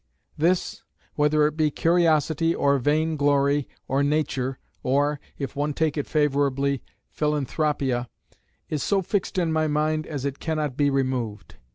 This, whether it be curiosity or vain glory, or nature, or (if one take it favourably) philanthropia, is so fixed in my mind as it cannot be removed.